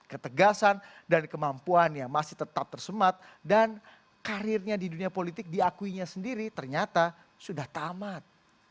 ketegasan dan kemampuan yang masih tetap tersemat dan karirnya di dunia politik diakuinya sendiri ternyata sudah tamat